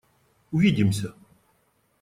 Увидимся!